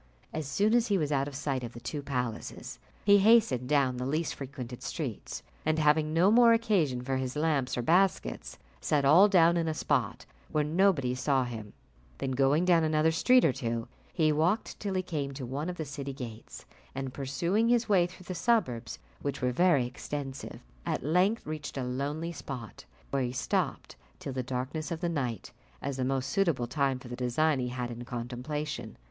As soon as he was out of sight of the two palaces, he hastened down the least frequented streets; and having no more occasion for his lamps or basket, set all down in a spot where nobody saw him; then going down another street or two, he walked till he came to one of the city gates, and pursuing his way through the suburbs, which were very extensive, at length reached a lonely spot, where he stopped till the darkness of the night, as the most suitable time for the design he had in contemplation.